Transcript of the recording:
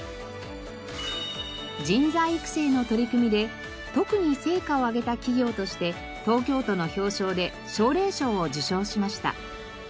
人材育成の取り組みで特に成果を上げた企業として東京都の表彰で奨励賞を受賞しました。